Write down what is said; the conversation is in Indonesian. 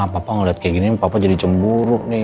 papa ngeliat kayak gini papa jadi cemburuk nih